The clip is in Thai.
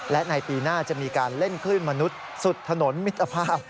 และในปีหน้าจะมีการเล่นคลื่นมนุษย์สุดถนนมิตรภาพ